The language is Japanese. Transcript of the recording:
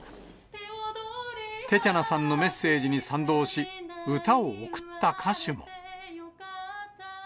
テチャナさんのメッセージに賛同し、歌を贈った歌手も。